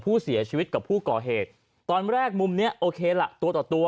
ผู้เสียชีวิตกับผู้ก่อเหตุตอนแรกมุมเนี้ยโอเคล่ะตัวต่อตัว